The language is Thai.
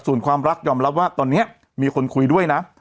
ส่วนความรักยอมรับว่าตอนนี้มีคนคุยด้วยนะ